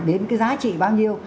đến cái giá trị bao nhiêu